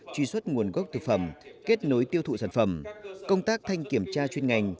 truy xuất nguồn gốc thực phẩm kết nối tiêu thụ sản phẩm công tác thanh kiểm tra chuyên ngành